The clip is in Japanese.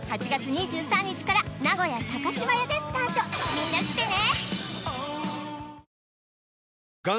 みんな来てね！